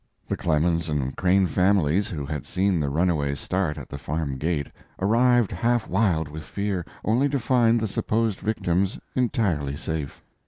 The Clemens and Crane families, who had seen the runaway start at the farm gate, arrived half wild with fear, only to find the supposed victims entirely safe.